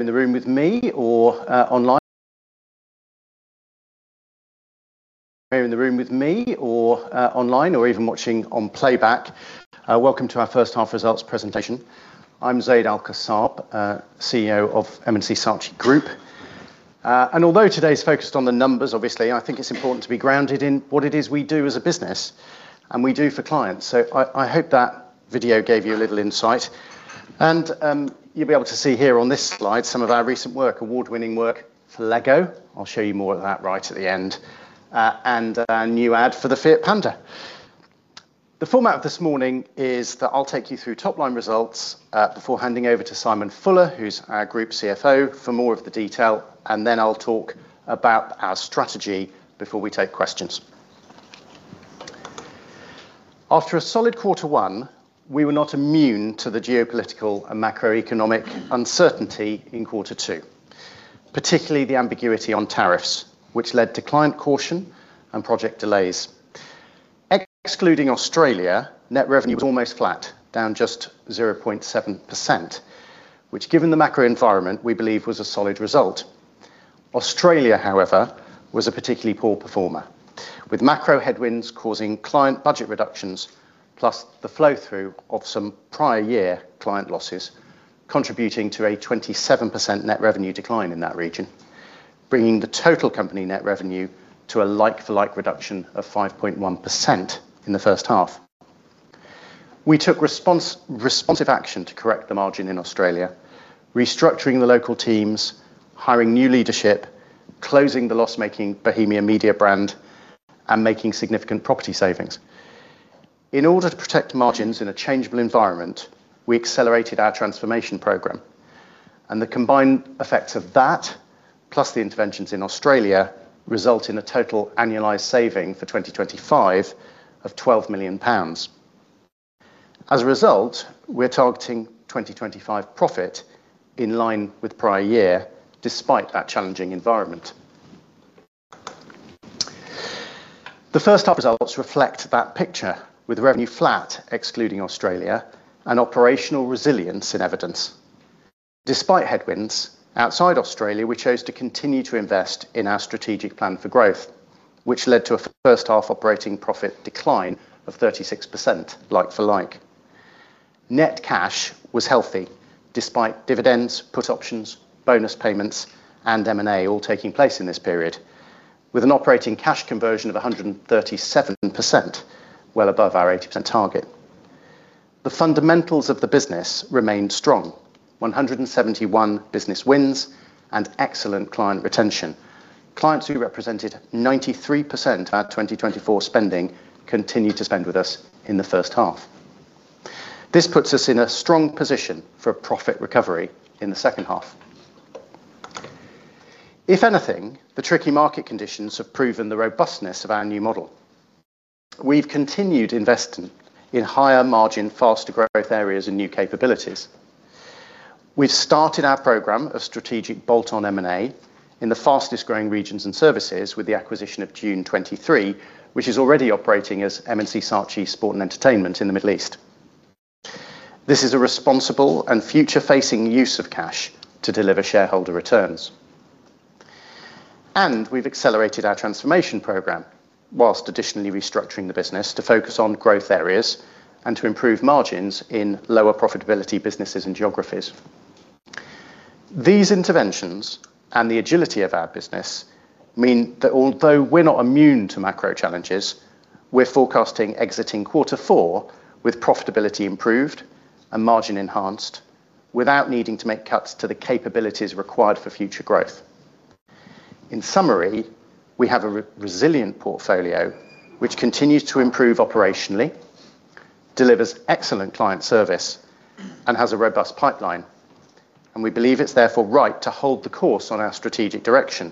In the room with me or online, or even watching on playback, welcome to our first half results presentation. I'm Zaid Al-Qassab, CEO of M&C Saatchi Group. Although today's focused on the numbers, obviously, I think it's important to be grounded in what it is we do as a business and we do for clients. I hope that video gave you a little insight. You'll be able to see here on this slide some of our recent work, award-winning work for Lego. I'll show you more of that right at the end. A new ad for the Fiat Panda. The format of this morning is that I'll take you through top-line results before handing over to Simon Fuller, who's our Group Chief Financial Officer, for more of the detail. I'll talk about our strategy before we take questions. After a solid quarter one, we were not immune to the geopolitical and macroeconomic uncertainty in quarter two, particularly the ambiguity on tariffs, which led to client caution and project delays. Excluding Australia, net revenue was almost flat, down just 0.7%, which, given the macro environment, we believe was a solid result. Australia, however, was a particularly poor performer with macro headwinds causing client budget reductions, plus the flow-through of some prior year client losses contributing to a 27% net revenue decline in that region, bringing the total company net revenue to a like-for-like reduction of 5.1% in the first half. We took responsive action to correct the margin in Australia, restructuring the local teams, hiring new leadership, closing the loss-making Bohemia Media brand, and making significant property savings. In order to protect margins in a changeable environment, we accelerated our transformation program. The combined effects of that, plus the interventions in Australia, result in a total annualized saving for 2025 of £12 million. As a result, we're targeting 2025 profit in line with prior year, despite that challenging environment. The first half results reflect that picture, with revenue flat, excluding Australia, and operational resilience in evidence. Despite headwinds, outside Australia, we chose to continue to invest in our strategic plan for growth, which led to a first-half operating profit decline of 36%, like for like. Net cash was healthy, despite dividends, put options, bonus payments, and M&A all taking place in this period, with an operating cash conversion of 137%, well above our 80% target. The fundamentals of the business remained strong: 171 business wins and excellent client retention. Clients who represented 93% of our 2024 spending continued to spend with us in the first half. This puts us in a strong position for a profit recovery in the second half. If anything, the tricky market conditions have proven the robustness of our new model. We've continued investing in higher margin, faster growth areas, and new capabilities. We've started our program of strategic bolt-on M&A in the fastest growing regions and services, with the acquisition of Tune23, which is already operating as M&C Saatchi Sport and Entertainment in the Middle East. This is a responsible and future-facing use of cash to deliver shareholder returns. We have accelerated our transformation program, whilst additionally restructuring the business to focus on growth areas and to improve margins in lower profitability businesses and geographies. These interventions and the agility of our business mean that although we're not immune to macro challenges, we're forecasting exiting quarter four with profitability improved and margin enhanced without needing to make cuts to the capabilities required for future growth. In summary, we have a resilient portfolio which continues to improve operationally, delivers excellent client service, and has a robust pipeline. We believe it's therefore right to hold the course on our strategic direction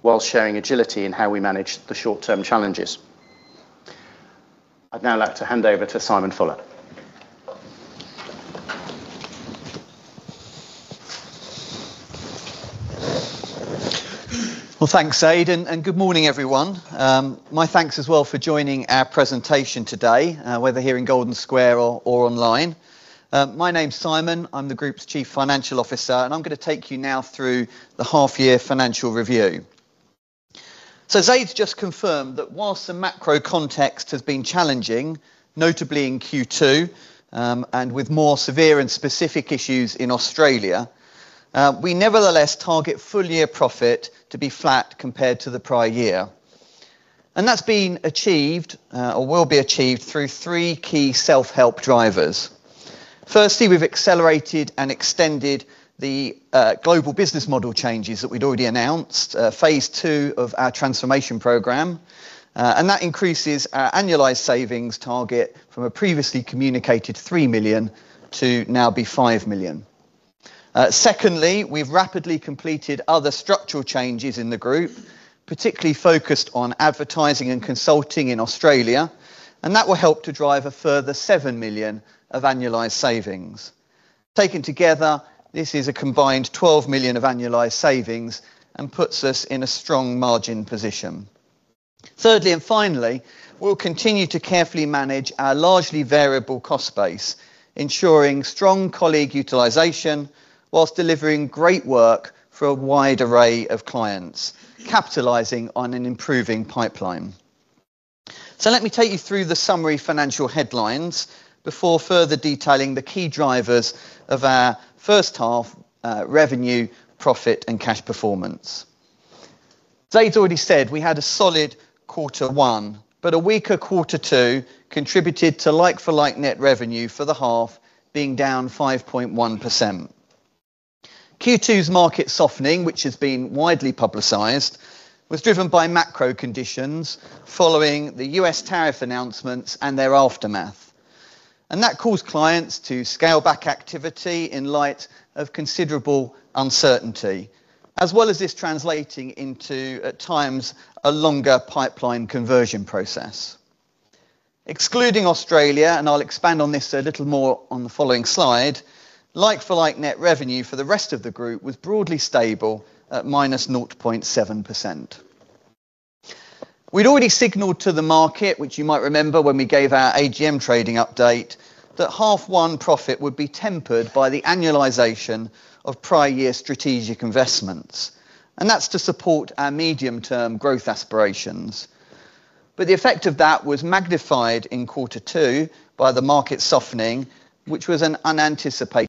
while sharing agility in how we manage the short-term challenges. I'd now like to hand over to Simon Fuller. Thank you, Zaid, and good morning, everyone. My thanks as well for joining our presentation today, whether here in Golden Square or online. My name's Simon. I'm the Group Chief Financial Officer, and I'm going to take you now through the half-year financial review. Zaid's just confirmed that whilst the macro context has been challenging, notably in Q2, and with more severe and specific issues in Australia, we nevertheless target full-year profit to be flat compared to the prior year. That's been achieved, or will be achieved, through three key self-help drivers. Firstly, we've accelerated and extended the global business model changes that we'd already announced, phase two of our transformation program. That increases our annualized savings target from a previously communicated £3 million to now be £5 million. Secondly, we've rapidly completed other structural changes in the Group, particularly focused on advertising and consulting in Australia. That will help to drive a further £7 million of annualized savings. Taken together, this is a combined £12 million of annualized savings and puts us in a strong margin position. Thirdly, and finally, we'll continue to carefully manage our largely variable cost base, ensuring strong colleague utilization whilst delivering great work for a wide array of clients, capitalizing on an improving pipeline. Let me take you through the summary financial headlines before further detailing the key drivers of our first half revenue, profit, and cash performance. Zaid's already said we had a solid Q1, but a weaker Q2 contributed to like-for-like net revenue for the half, being down 5.1%. Q2's market softening, which has been widely publicized, was driven by macro conditions following the U.S. tariff announcements and their aftermath. That caused clients to scale back activity in light of considerable uncertainty, as well as this translating into, at times, a longer pipeline conversion process. Excluding Australia, and I'll expand on this a little more on the following slide, like-for-like net revenue for the rest of the Group was broadly stable at -0.7%. We'd already signaled to the market, which you might remember when we gave our AGM trading update, that H1 profit would be tempered by the annualization of prior year strategic investments. That's to support our medium-term growth aspirations. The effect of that was magnified in quarter two by the market softening, which was unanticipated.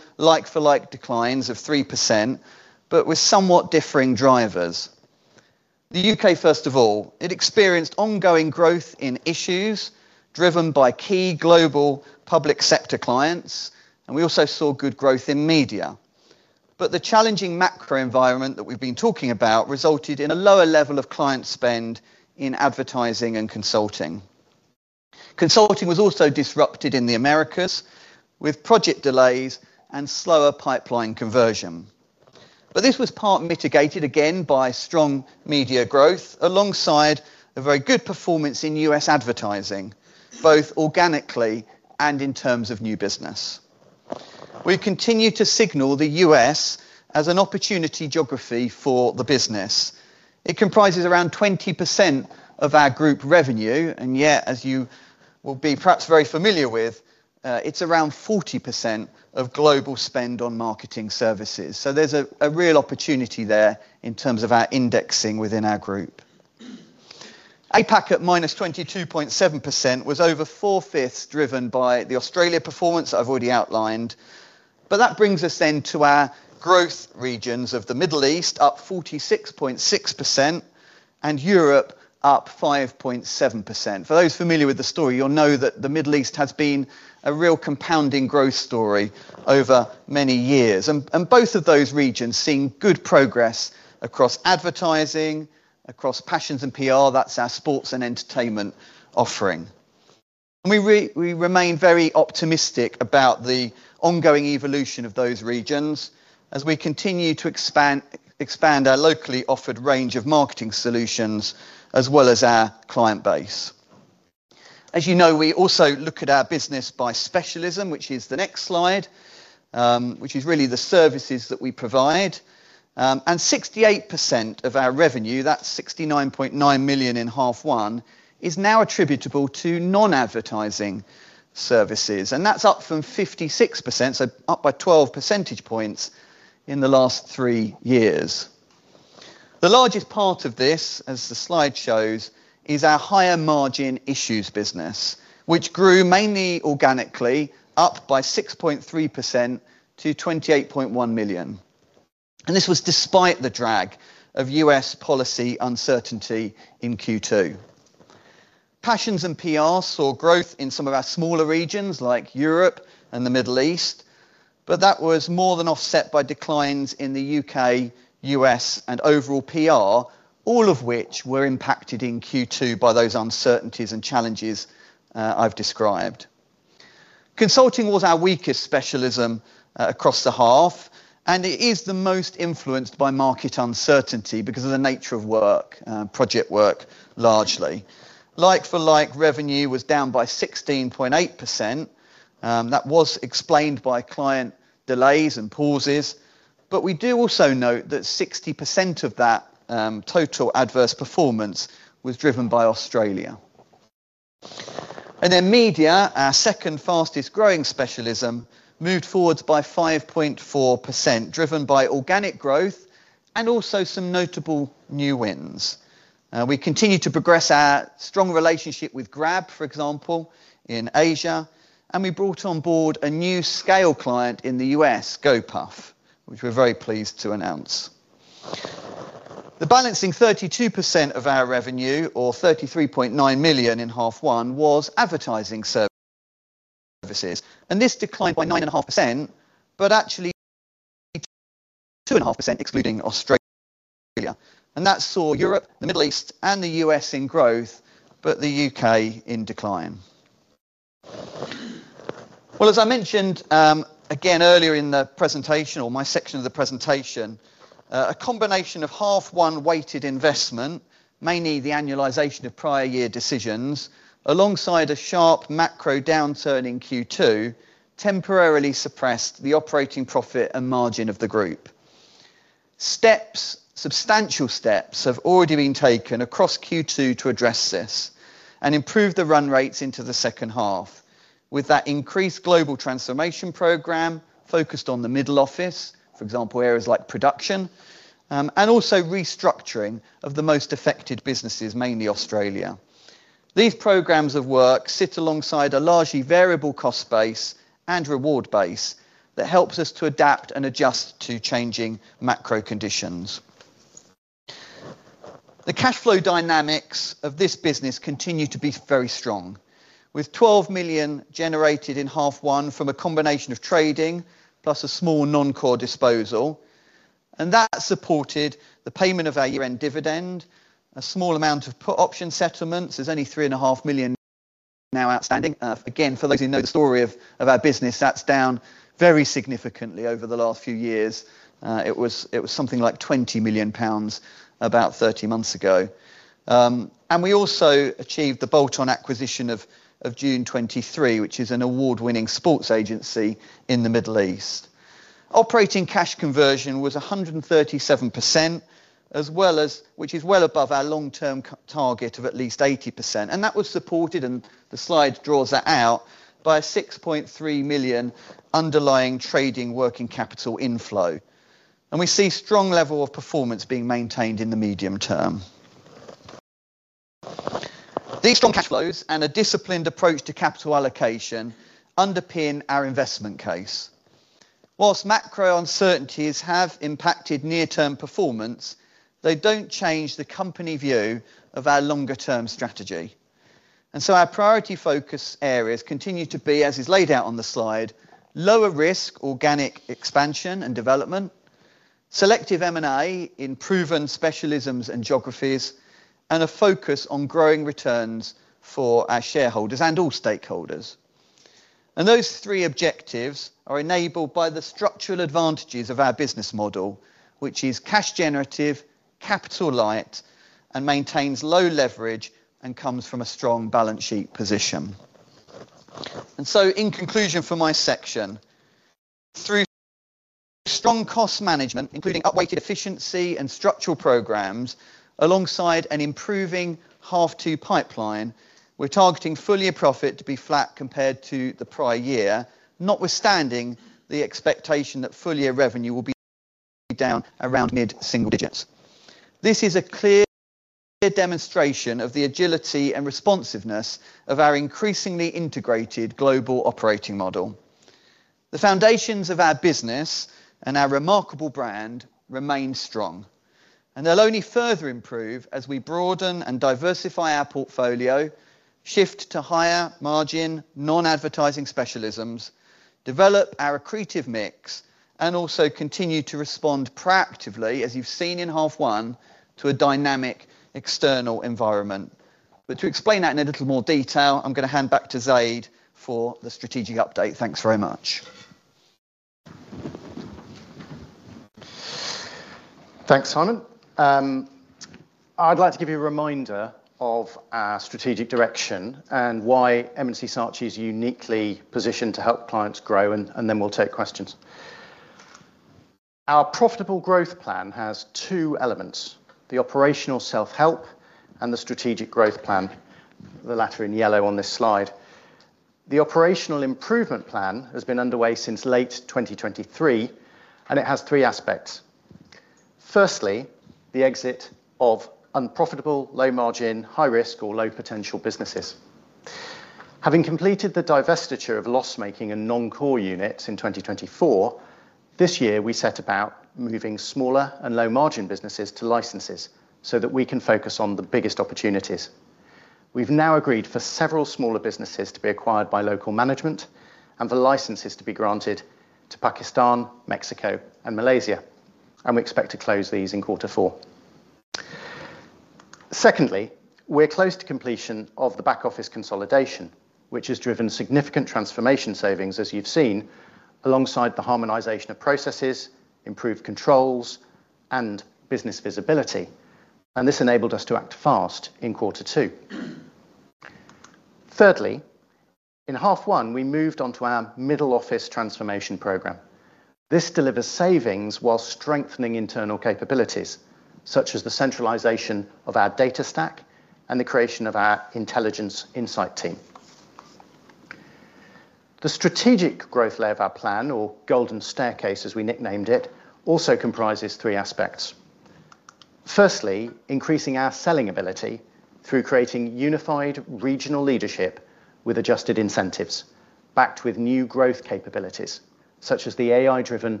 Secondly, a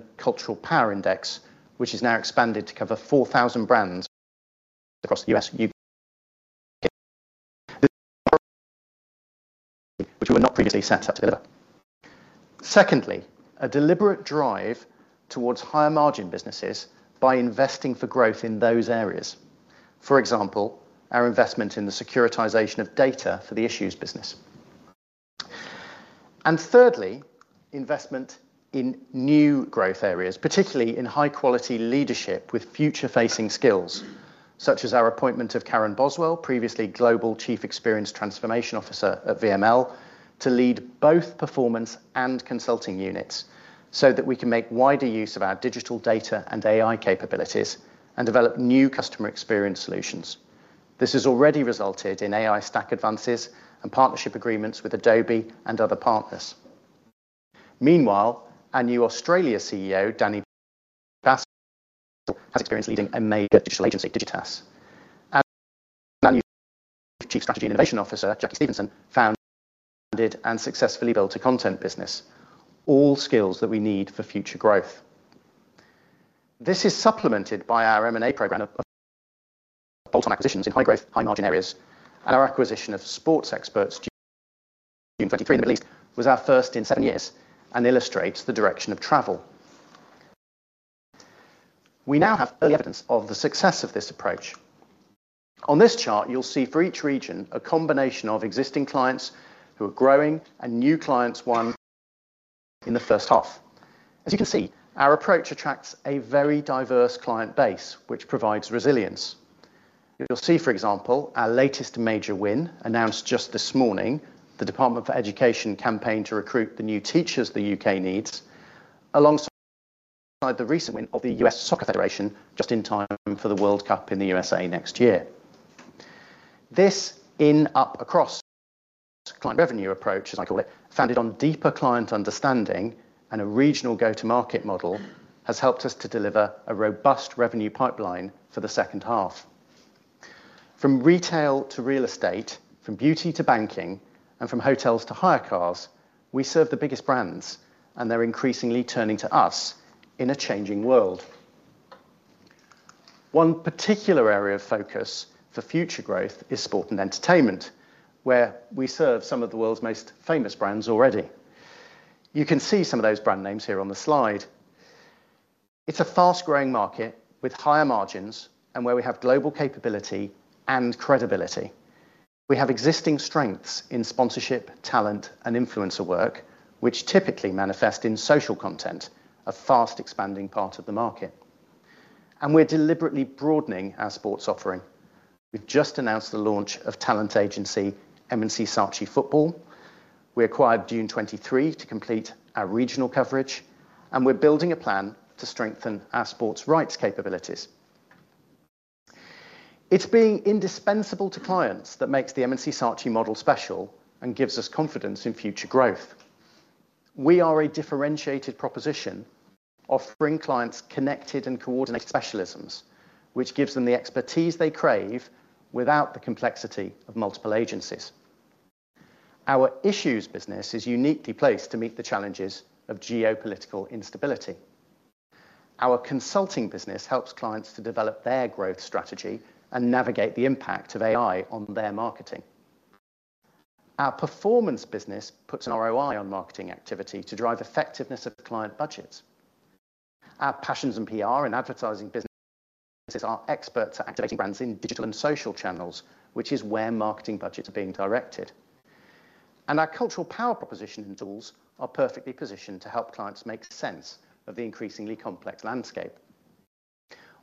deliberate drive towards higher margin businesses by investing for growth in those areas. For example, our investment in the securitization of data for the issues business. Thirdly, investment in new growth areas, particularly in high-quality leadership with future-facing skills, such as our appointment of Karen Boswell, previously Global Chief Experience Transformation Officer at VML, to lead both performance and consulting units so that we can make wider use of our digital data and AI capabilities and develop new customer experience solutions. This has already resulted in AI stack advances and partnership agreements with Adobe and other partners. Meanwhile, our new Australia CEO, Danny Bass, has experience leading a major digital agency, Digitas. Our new Chief Strategy Innovation Officer, Jackie Stevenson, founded and successfully built a content business, all skills that we need for future growth. This is supplemented by our M&A program of bolt-on acquisitions in high growth, high margin areas, and our acquisition of sports experts in the Middle East was our first in seven years and illustrates the direction of travel. We now have early evidence of the success of this approach. On this chart, you'll see for each region a combination of existing clients who are growing and new clients won in the first half. As you can see, our approach attracts a very diverse client base, which provides resilience. You'll see, for example, our latest major win announced just this morning, the Department for Education campaign to recruit the new teachers the UK needs, alongside the recent win of the US Soccer Federation just in time for the World Cup in the US next year. This in-up-across client revenue approach, as I call it, founded on deeper client understanding and a regional go-to-market model, has helped us to deliver a robust revenue pipeline for the second half. From retail to real estate, from beauty to banking, and from hotels to hire cars, we serve the biggest brands, and they're increasingly turning to us in a changing world. One particular area of focus for future growth is sport and entertainment, where we serve some of the world's most famous brands already. You can see some of those brand names here on the slide. It's a fast-growing market with higher margins and where we have global capability and credibility. We have existing strengths in sponsorship, talent, and influencer work, which typically manifest in social content, a fast-expanding part of the market. We're deliberately broadening our sports offering. We've just announced the launch of talent agency M&C Saatchi Football. We acquired Tune23 to complete our regional coverage, and we're building a plan to strengthen our sports rights capabilities. It's being indispensable to clients that makes the M&C Saatchi model special and gives us confidence in future growth. We are a differentiated proposition offering clients connected and coordinated specialisms, which gives them the expertise they crave without the complexity of multiple agencies. Our issues business is uniquely placed to meet the challenges of geopolitical instability. Our consulting business helps clients to develop their growth strategy and navigate the impact of AI on their marketing. Our performance business puts an ROI on marketing activity to drive effectiveness of the client budgets. Our passions and PR and advertising businesses are experts at activating brands in digital and social channels, which is where marketing budgets are being directed. Our cultural power proposition and tools are perfectly positioned to help clients make sense of the increasingly complex landscape.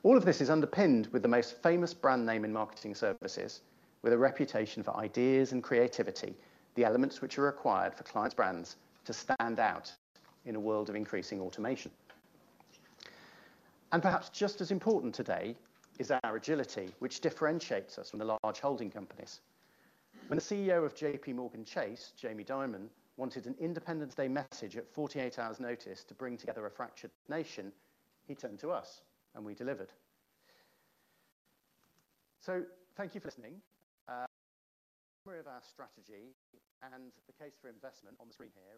All of this is underpinned with the most famous brand name in marketing services, with a reputation for ideas and creativity, the elements which are required for clients' brands to stand out in a world of increasing automation. Perhaps just as important today is our agility, which differentiates us from the large holding companies. When the CEO of JPMorgan Chase, Jamie Dimon, wanted an Independence Day message at 48 hours' notice to bring together a fractured nation, he turned to us and we delivered. Thank you for listening. A summary of our strategy and the case for investment on the screen here.